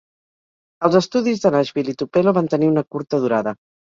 Els estudis de Nashville i Tupelo van tenir una curta durada.